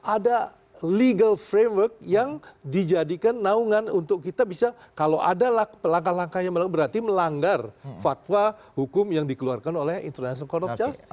ada legal framework yang dijadikan naungan untuk kita bisa kalau ada langkah langkah yang melanggar berarti melanggar fatwa hukum yang dikeluarkan oleh international con of justice